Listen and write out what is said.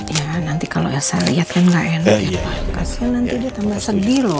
iya nanti kalau saya lihat kan enggak enak ya pak kasian nanti ditambah sedih loh